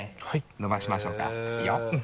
伸ばしましょうかいいよ。